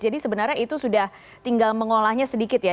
jadi sebenarnya itu sudah tinggal mengolahnya sedikit ya